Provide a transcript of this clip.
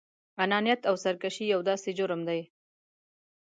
انانيت او سرکشي يو داسې جرم دی.